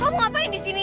kamu ngapain disini